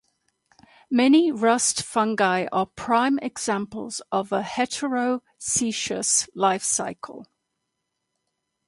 Many rust fungi are prime examples of a heteroecious life cycle.